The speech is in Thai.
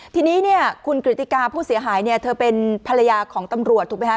ทีนี้เนี่ยคุณกริติกาผู้เสียหายเนี่ยเธอเป็นภรรยาของตำรวจถูกไหมคะ